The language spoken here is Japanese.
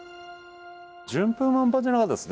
順風満帆じゃなかったですね。